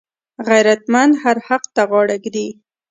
غیرتمند هر حق ته غاړه ږدي